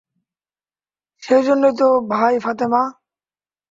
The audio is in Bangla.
সেই জন্যই তো ভায় ফাতেমা।